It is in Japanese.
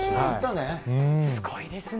すごいですね。